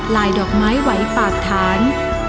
ดอกไม้ไหวปากฐาน